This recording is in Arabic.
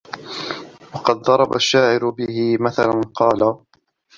وَقَدْ ضَرَبَ الشَّاعِرُ بِهِ مَثَلًا قَالَ